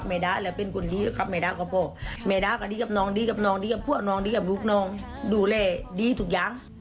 เมด้าก็ดีกับน้องดีกับน้องดีกับพวกน้องดีกับลูกน้องดูเล่ดีทุกอย่าง